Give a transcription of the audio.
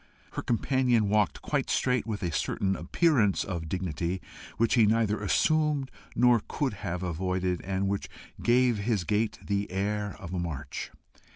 Her companion walked quite straight, with a certain appearance of dignity which he neither assumed nor could have avoided, and which gave his gait the air of a march.